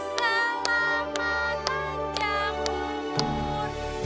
selamat panjang umur